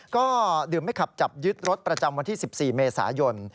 ก็ดื่มไม่ขับจับยึดรถประจำวันที่๑๔เมษายน